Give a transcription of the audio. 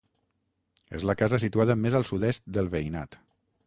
És la casa situada més al sud-est del veïnat.